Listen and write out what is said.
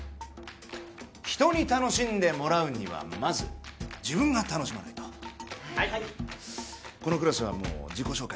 人に楽しんでもらうにはまず自分が楽しまないとはいこのクラスはもう自己紹介